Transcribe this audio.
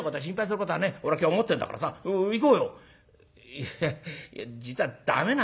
「いや実はダメなんだよ。